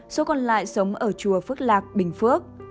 số còn lại sống ở chùa phước lạc bình phước